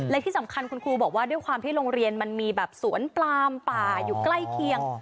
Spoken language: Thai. และที่สำคัญคุณครูบอกว่าด้วยความที่โรงเรียนมันมีแบบสวนปลามป่าอยู่ใกล้เคียง